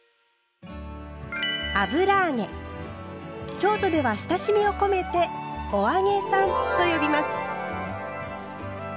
京都では親しみを込めて「お揚げさん」と呼びます。